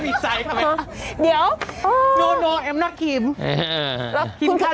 ไม่มีใส่ทำไม